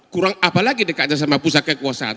kurang apa lagi dekatnya sama pusat kekuasaan